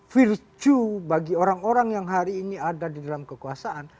virtue bagi orang orang yang hari ini ada di dalam kekuasaan